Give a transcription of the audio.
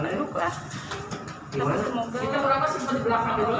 sedih juga aku ya pada saat kita berluka